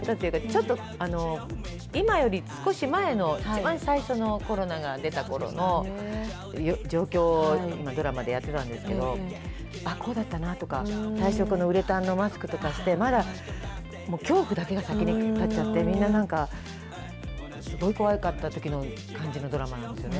楽しかったというか、ちょっと今より少し前の、一番最初のコロナが出たころの状況をドラマでやってたんですけれども、あっ、こうだったなとか、最初、ウレタンのマスクだけして、まだ、恐怖だけが先に立っちゃって、みんななんかすごい怖かったときの感じのドラマなんですね。